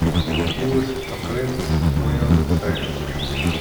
Yiwet deg teqrint, wayeḍ deg tayeḍ.